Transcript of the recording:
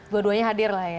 dua duanya hadir lah ya